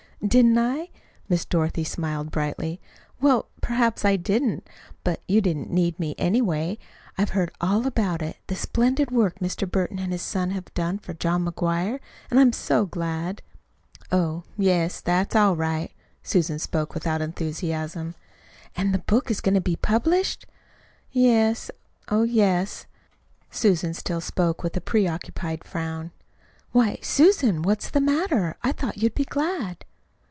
"Didn't I?" Miss Dorothy smiled brightly. "Well, perhaps I didn't. But you didn't need me, anyway. I've heard all about it the splendid work Mr. Burton and his son have done for John McGuire. And I'm so glad." "Oh, yes, that's all right." Susan spoke without enthusiasm. "And the book is going to be published?" "Yes, oh, yes." Susan still spoke with a preoccupied frown. "Why, Susan, what's the matter? I thought you'd be glad."